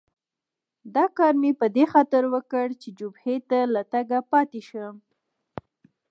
دا کار مې په دې خاطر وکړ چې جبهې ته له تګه پاتې شم.